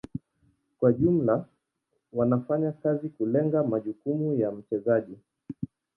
Kwa ujumla wanafanya kazi kulenga majukumu ya mchezaji.